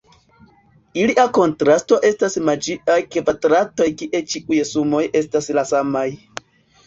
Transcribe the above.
Ilia kontrasto estas magiaj kvadratoj kie ĉiuj sumoj estas la samaj.